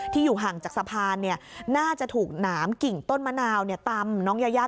อยู่ห่างจากสะพานน่าจะถูกหนามกิ่งต้นมะนาวตำน้องยายา